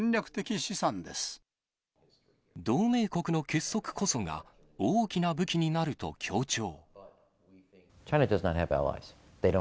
同盟国の結束こそが、大きな武器になると強調。